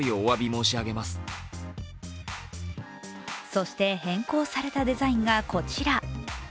そして、変更されたデザインがこちら。